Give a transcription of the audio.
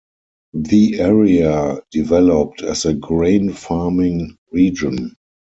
The area developed as a grain farming region.